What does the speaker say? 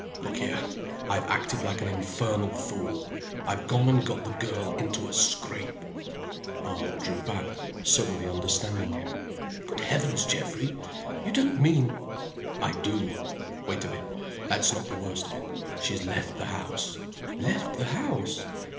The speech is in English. Look here! I've acted like an infernal fool. I've gone and got the girl into a scrape " Arnold drew back, suddenly understanding him. "Good heavens, Geoffrey! You don't mean " "I do! Wait a bit that's not the worst of it. She has left the house." "Left the house?"